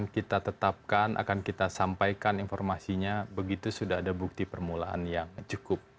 terus kira kira kita akan selesai lalu kita akan sampaikan informasinya begitu sudah ada bukti permulaan yang cukup